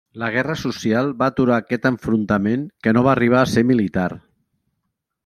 La guerra social va aturar aquest enfrontament que no va arribar a ser militar.